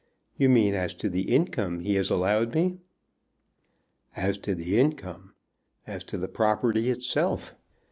"You mean as to the income he has allowed me?" "As to the income! As to the property itself.